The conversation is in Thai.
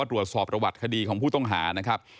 ว่าตรวจสอบประวัติคดีของผู้ต้องหา